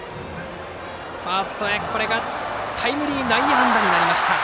ファーストへの打球がタイムリー内野安打になりました。